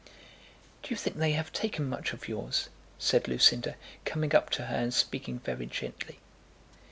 "Do you think they have taken much of yours?" said Lucinda, coming up to her and speaking very gently.